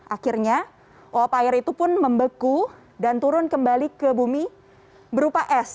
akhirnya uap air itu pun membeku dan turun kembali ke bumi berupa es